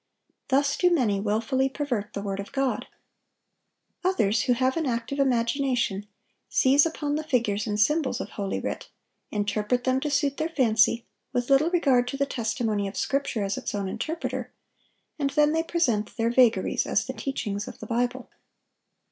Thus do many wilfully pervert the word of God. Others, who have an active imagination, seize upon the figures and symbols of Holy Writ, interpret them to suit their fancy, with little regard to the testimony of Scripture as its own interpreter, and then they present their vagaries as the teachings of the Bible.